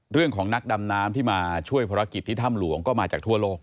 นักดำน้ำที่มาช่วยภารกิจที่ถ้ำหลวงก็มาจากทั่วโลก